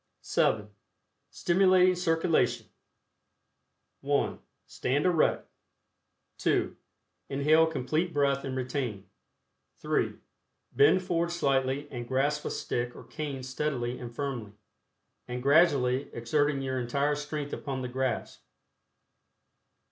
(7) STIMULATING CIRCULATION. (1) Stand erect. (2) Inhale a Complete Breath and retain. (3) Bend forward slightly and grasp a stick or cane steadily and firmly, and gradually exerting your entire strength upon the grasp.